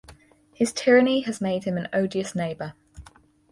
His tyranny has made him an odious neighbor.